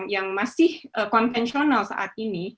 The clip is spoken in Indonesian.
yang masih konvensional saat ini